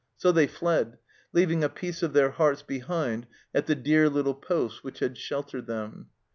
So they fled, leaving a piece of their hearts behind at the dear little poste which had sheltered them.